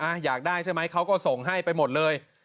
อยากได้ใช่ไหมเขาก็ส่งให้ไปหมดเลย